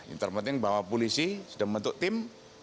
yang terpenting bahwa polisi sudah membentuk tim